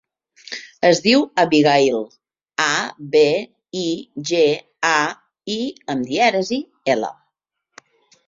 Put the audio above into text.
Es diu Abigaïl: a, be, i, ge, a, i amb dièresi, ela.